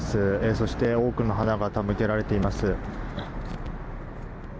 そして、多くの花が手向けられています。